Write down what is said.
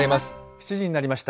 ７時になりました。